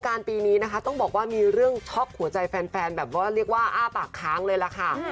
การปีนี้นะคะต้องบอกว่ามีเรื่องช็อกหัวใจแฟนแบบว่าเรียกว่าอ้าปากค้างเลยล่ะค่ะ